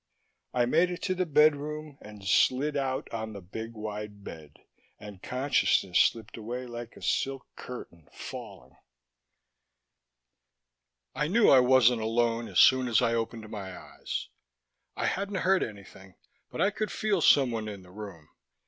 I made it to the bedroom and slid out on the big wide bed, and consciousness slipped away like a silk curtain falling. I knew I wasn't alone as soon as I opened my eyes. I hadn't heard anything, but I could feel someone in the room.